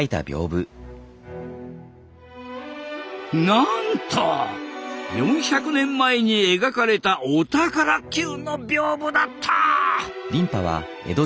なんと４００年前に描かれたお宝級の屏風だった。